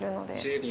１０秒。